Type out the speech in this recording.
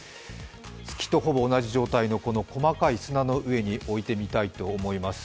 月とほぼ同じ状態の細かい砂の上に置いてみたいと思います。